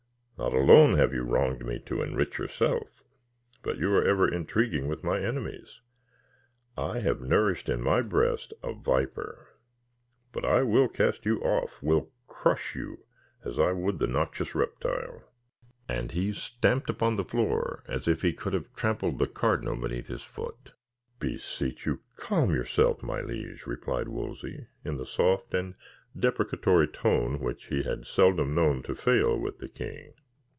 "Not alone have you wronged me to enrich yourself, but you are ever intriguing with my enemies. I have nourished in my breast a viper; but I will cast you off will crush you as I would the noxious reptile." And he stamped upon the floor, as if he could have trampled the cardinal beneath his foot. "Beseech you calm yourself, my liege," replied Wolsey, in the soft and deprecatory tone which he had seldom known to fail with the king.